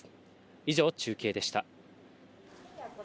以上、中継でした。